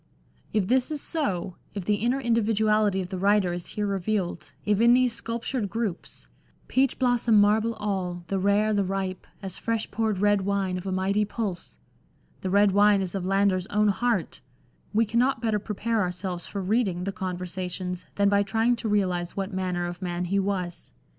If this is so, if the inner individuality of the writer is here revealed, if in these sculptured groups, " Peach blossom marble all, the rare, the ripe, As fresh poured red wine of a mighty pulse," LANDOR, xi the red wine is of Landor's own heart, we cannot better prepare ourselves for reading the Conversations then by trying to realise what manner of man he was.